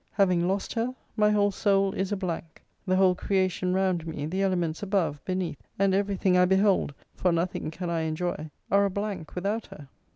Having lost her, my whole soul is a blank: the whole creation round me, the elements above, beneath, and every thing I behold, (for nothing can I enjoy,) are a blank without her.